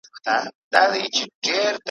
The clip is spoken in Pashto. په خپل جنت کي سره دوخونه ,